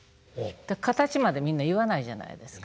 形までみんな言わないじゃないですか。